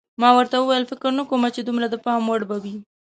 ما ورته وویل: فکر نه کوم چې دومره د پام وړ به وي.